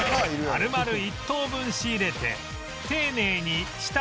丸々１頭分仕入れて丁寧に下処理